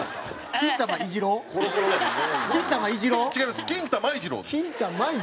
「きんたまいじろう」なん？